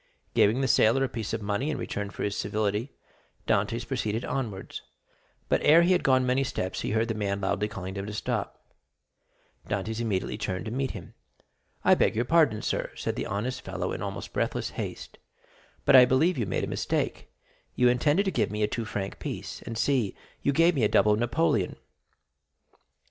Giving the sailor a piece of money in return for his civility, Dantès proceeded onwards; but ere he had gone many steps he heard the man loudly calling him to stop. Dantès instantly turned to meet him. "I beg your pardon, sir," said the honest fellow, in almost breathless haste, "but I believe you made a mistake; you intended to give me a two franc piece, and see, you gave me a double Napoleon."